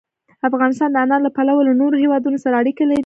افغانستان د انار له پلوه له نورو هېوادونو سره اړیکې لري.